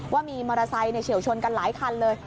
ว่ามีมอเตอร์ไซค์เฉียวชนกันหลายคันเลย